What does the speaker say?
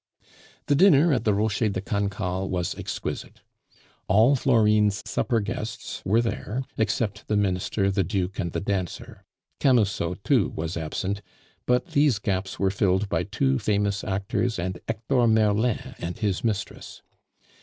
The dinner at the Rocher de Cancale was exquisite. All Florine's supper guests were there except the Minister, the Duke, and the dancer; Camusot, too, was absent; but these gaps were filled by two famous actors and Hector Merlin and his mistress.